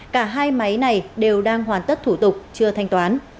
cả hai máy này đều đang hoàn tất thủ tục chưa thanh toán